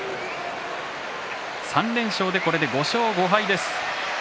３連勝で、これで５勝５敗です。